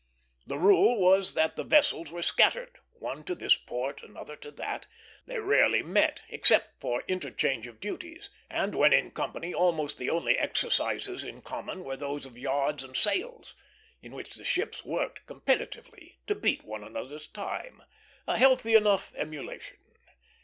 The rule was that the vessels were scattered, one to this port, another to that. They rarely met, except for interchange of duties; and when in company almost the only exercises in common were those of yards and sails, in which the ships worked competitively, to beat one another's time, a healthy enough emulation.